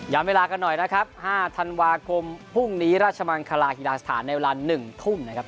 เวลากันหน่อยนะครับ๕ธันวาคมพรุ่งนี้ราชมังคลาฮิลาสถานในเวลา๑ทุ่มนะครับ